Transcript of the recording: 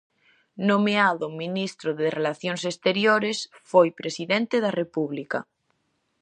Nomeado ministro de Relacións Exteriores, foi presidente da República.